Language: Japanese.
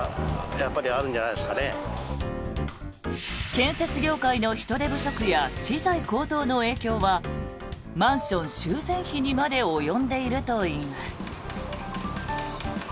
建設業界の人手不足や資材高騰の影響はマンション修繕費にまで及んでいるといいます。